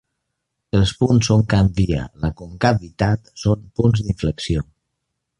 Els Punts on canvia la concavitat són punts d'inflexió.